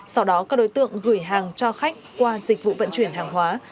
sau đó các đối tượng gửi hàng cho khách qua dịch vụ vận chuyển hàng hóa